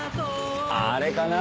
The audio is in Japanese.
あれかな？